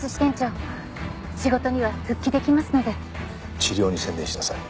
治療に専念しなさい。